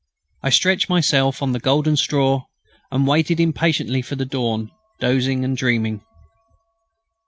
I stretched myself on the golden straw and waited impatiently for the dawn, dozing and dreaming.